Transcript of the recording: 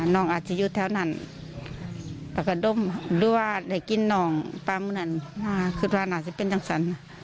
น้องอาจจะอยู่แถวนั้นหรือว่าได้กินน้องปลาเมืองนั้นคือว่านั้นอาจจะเป็นจังสรรค์